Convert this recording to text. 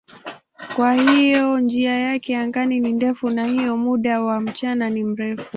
Kwa hiyo njia yake angani ni ndefu na hivyo muda wa mchana ni mrefu.